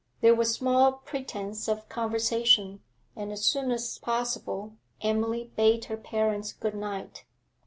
There was small pretence of conversation, and, as soon as possible, Emily bade her parents good night.